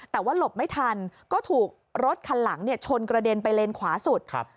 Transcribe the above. แต่ว่าหลบไม่ทันก็ถูกรถคันหลังเนี่ยชนกระเด็นไปเลนขวาสุดครับ